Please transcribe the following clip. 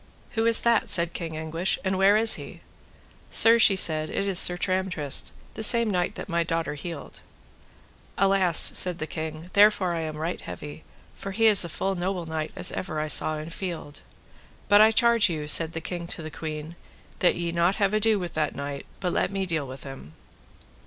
Who is that, said King Anguish, and where is he? Sir, she said, it is Sir Tramtrist, the same knight that my daughter healed. Alas, said the king, therefore am I right heavy, for he is a full noble knight as ever I saw in field. But I charge you, said the king to the queen, that ye have not ado with that knight, but let me deal with him.